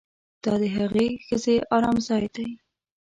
دا د هغې ښځې ارام ځای دی